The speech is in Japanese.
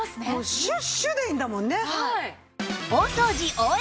シュッシュッでいいんだもんね。